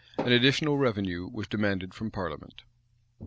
An additional revenue was demanded from parliament.